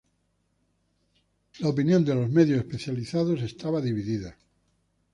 La opinión de los medios especializados fue dividida.